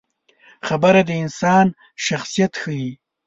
خبره د انسان شخصیت ښيي.